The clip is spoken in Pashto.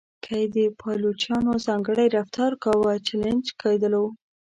که یې د پایلوچانو ځانګړی رفتار کاوه چلنج کېدلو.